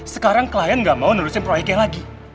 sekarang klien gak mau nerusin proyek yang lagi